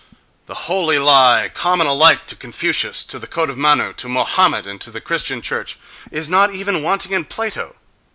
The "holy lie"—common alike to Confucius, to the Code of Manu, to Mohammed and to the Christian church—is not even wanting in Plato.